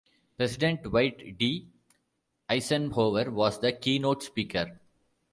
President Dwight D. Eisenhower was the keynote speaker.